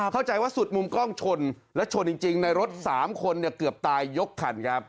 เข้าใจว่าสุดมุมกล้องชนและชนจริงในรถ๓คนเกือบตายยกคันครับ